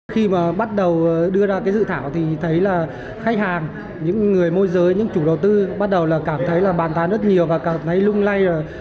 khi mà bắt đầu đưa ra cái dự thảo thì thấy là khách hàng những người môi giới những chủ đầu tư bắt đầu là cảm thấy là bàn tán rất nhiều và cảm thấy lung lay là